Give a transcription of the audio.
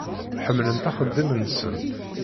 Ḥemmlent axeddim-nsent.